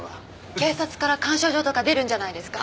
警察から感謝状とか出るんじゃないですか？